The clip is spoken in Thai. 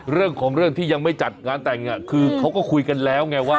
เรื่องของเรื่องที่ยังไม่จัดงานแต่งคือเขาก็คุยกันแล้วไงว่า